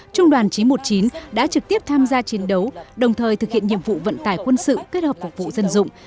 trung đoàn chín trăm một mươi chín đã trực tiếp tham gia chiến đấu đồng thời thực hiện nhiệm vụ vận tải quân sự kết hợp phục vụ dân dụng